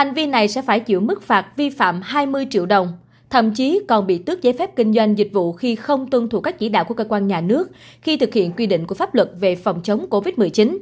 hành vi này sẽ phải chịu mức phạt vi phạm hai mươi triệu đồng thậm chí còn bị tước giấy phép kinh doanh dịch vụ khi không tuân thủ các chỉ đạo của cơ quan nhà nước khi thực hiện quy định của pháp luật về phòng chống covid một mươi chín